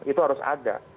itu harus ada